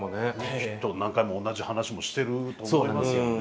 きっと何回も同じ話もしてると思いますけどね。